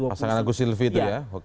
pasangan agus silvi itu ya